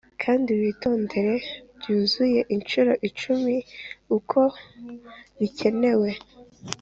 kandi witondere byuzuye inshuro icumi uko bikenewe;